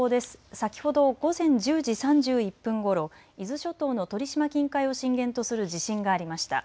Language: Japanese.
先ほど午前１０時３１分ごろ伊豆諸島の鳥島近海を震源とする地震がありました。